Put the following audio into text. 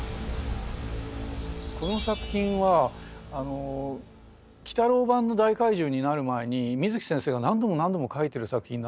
この作品はあの「鬼太郎」版の「大海獣」になる前に水木先生が何度も何度も描いてる作品なんですね。